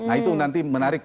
nah itu nanti menarik